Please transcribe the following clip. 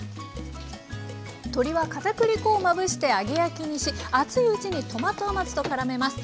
鶏はかたくり粉をまぶして揚げ焼きにし熱いうちにトマト甘酢とからめます。